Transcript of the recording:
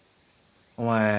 お前